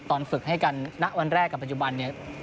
ตอนฝึกให้กันณวันแรกกับปัจจุบันเนี่ย